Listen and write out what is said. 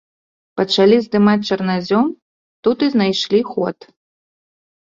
Пачалі здымаць чарназём, тут і знайшлі ход.